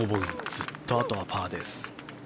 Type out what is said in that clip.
ずっとあとはパーです。